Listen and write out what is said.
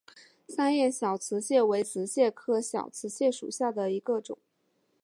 三叶小瓷蟹为瓷蟹科小瓷蟹属下的一个种。